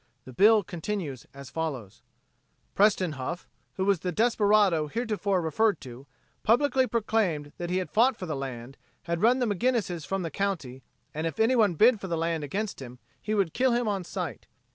The bill continues as follows: "Preston Huff, who was the desperado heretofore referred to, publicly proclaimed that he had fought for the land, had run the McGinnises from the county, and if anyone bid for the land against him he would kill him on sight.